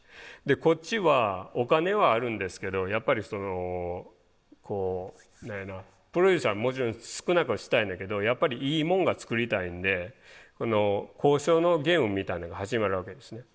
こっちはお金はあるんですけどやっぱりそのこうプロデューサーはもちろん少なくはしたいんだけどやっぱりいいもんが作りたいんで交渉のゲームみたいなのが始まるわけですね。